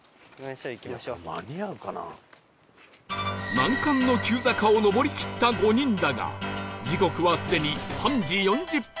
難関の急坂を上りきった５人だが時刻はすでに３時４０分